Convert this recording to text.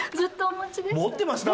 持ってました？